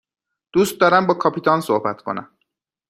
دوست دارم با کاپیتان صحبت کنم.